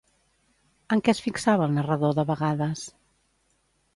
En què es fixava el narrador de vegades?